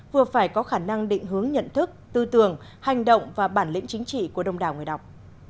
vừa phải có khả năng định hướng nhận thức tư tưởng hành động và bản lĩnh chính trị của đông đảo người đọc